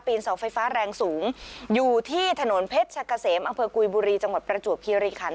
เสาไฟฟ้าแรงสูงอยู่ที่ถนนเพชรกะเสมอำเภอกุยบุรีจังหวัดประจวบคิริคัน